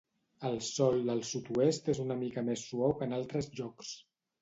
El sòl al sud-oest és una mica més suau que en altres llocs.